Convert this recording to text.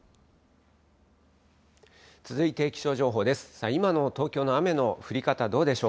続いて気象情報です。